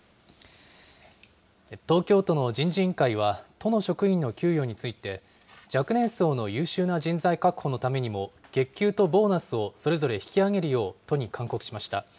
東京都の人事委員会は、都の職員の給与について、若年層の優秀な人材確保のためにも、月給とボーナスをそれぞれ引き上げるよう都に勧告しました。